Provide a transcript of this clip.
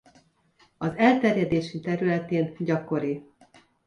Az elterjedési területén gyakori.